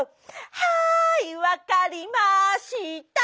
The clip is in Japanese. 「はい分かりました」